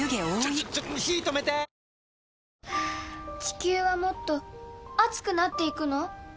地球はもっと熱くなっていくの？